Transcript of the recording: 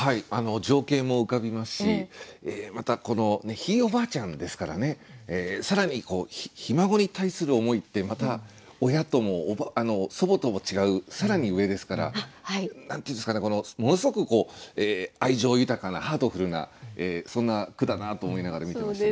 情景も浮かびますしまたひいおばあちゃんですからね更にひ孫に対する思いってまた親とも祖母とも違う更に上ですから何て言うんですかねものすごく愛情豊かなハートフルなそんな句だなと思いながら見てました。